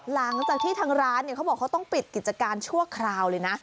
หลังจากที่ทางร้านเนี่ยเขาบอกเขาต้องปิดกิจการชั่วคราวเลยนะ